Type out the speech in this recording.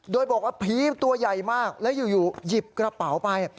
โดยบอกว่าผีตัวใหญ่มากแล้วอยู่หยิบกระเป๋าไป